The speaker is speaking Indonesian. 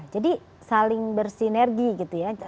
jadi saling bersinergi gitu ya